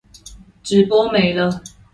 直播沒了